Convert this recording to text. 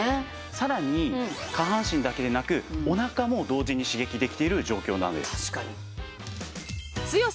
さらに下半身だけでなくおなかも同時に刺激できている状況なんです。